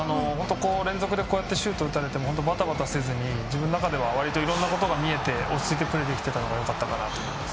連続でシュートを打たれてもバタバタせずに自分の中ではいろんなことが見えて落ち着いてプレーできたのはよかったかなと思います。